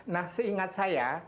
nah seingat saya